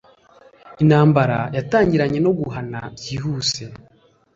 Intambara yatangiranye no guhana byihuse